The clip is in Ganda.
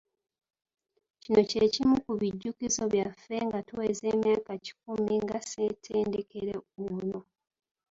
Kino kyekimu ku bijjukizo byaffe nga tuweza emyaka kikumi nga ssettendekero ono.